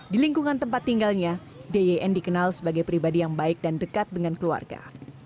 di lingkungan tempat tinggalnya dyn dikenal sebagai pribadi yang baik dan dekat dengan keluarga